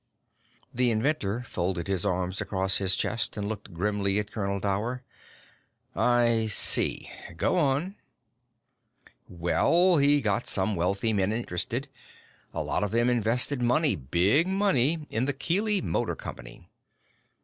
The inventor folded his arms across his chest and looked grimly at Colonel Dower. "I see. Go on." "Well, he got some wealthy men interested. A lot of them invested money big money in the Keely Motor Company.